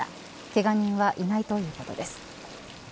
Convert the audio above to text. けが人はいないということです。